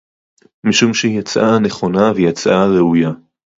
משום שהיא הצעה נכונה והיא הצעה ראויה